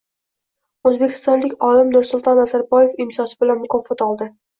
O‘zbekistonlik olim Nursulton Nazarboyev imzosi bilan mukofot oldi